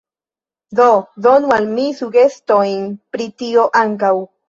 Do donu al mi sugestojn pri tio ankaŭ.